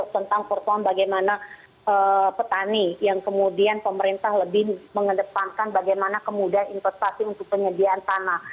tentang persoalan bagaimana petani yang kemudian pemerintah lebih mengedepankan bagaimana kemudahan investasi untuk penyediaan tanah